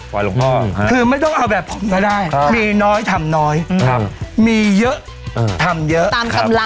ถ้าคือไม่ต้องเอาแบบผมก็ได้มีน้อยทำน้อยมีเยอะทำเยอะ